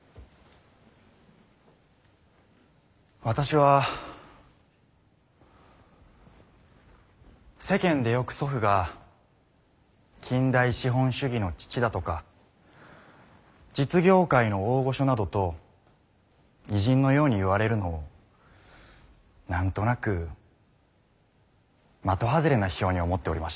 私は世間でよく祖父が「近代資本主義の父」だとか「実業界の大御所」などと偉人のように言われるのを何となく的外れな批評に思っておりました。